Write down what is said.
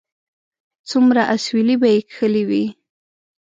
څومره اسويلي به یې کښلي وي